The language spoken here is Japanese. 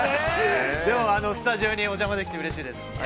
でも、スタジオにお邪魔できてうれしいです。